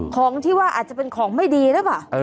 ของที่ว่าอาจจะเป็นของไม่ดีหรือเปล่า